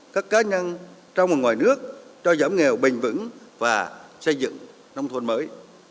các cá nhân trong và ngoài nước cho giảm nghèo bền vững và xây dựng nông thôn mới